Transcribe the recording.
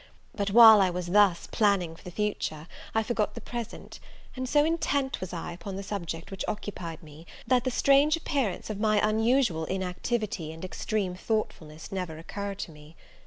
But while I was thus planning for the future, I forgot the present; and so intent was I upon the subject which occupied me, that the strange appearance of my unusual inactivity and extreme thoughtfulness never occurred to me.